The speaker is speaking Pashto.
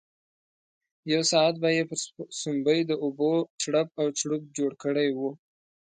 یو ساعت به یې پر سومبۍ د اوبو چړپ او چړوپ جوړ کړی وو.